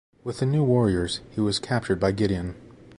With the New Warriors, he was captured by Gideon.